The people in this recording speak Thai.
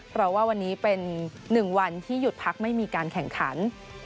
เพราะว่าวันนี้เป็น๑วันที่หยุดพักไม่มีการแข่งขัน